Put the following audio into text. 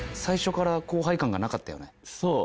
そう。